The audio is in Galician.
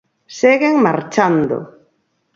Seguen marchando.